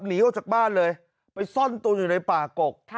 หนีออกจากบ้านเลยไปซ่อนตัวอยู่ในป่ากก